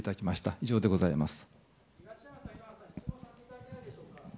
以上でございます。